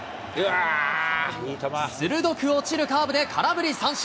鋭く落ちるカーブで空振り三振。